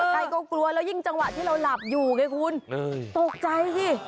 ใครก็กลัวแล้วยิ่งจังหวะที่เราหลับอยู่ไงคุณตกใจสิ